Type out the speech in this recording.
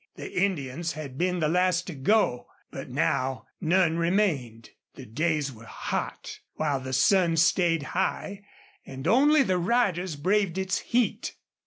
The Indians, had been the last to go, but now none remained. The days were hot while the sun stayed high, and only the riders braved its heat.